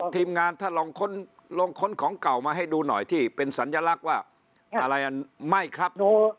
ทีมงานถ้าลองค้นของเก่ามาให้ดูหน่อยที่เป็นสัญลักษณ์ว่าอะไรไม่ครับ